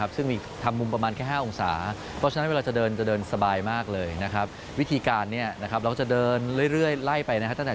ซึ่งมีทำมุมประมาณ๕องศาเพราะฉะนั้นเวลาเจอเดินจะเดินสบายมากเลยวิธีการเราจะเดินเรื่อยไล่ไปตั้งแต่